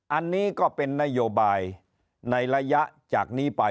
อันนี้ก็เป็นนโยบายในระยะจากนี้ไป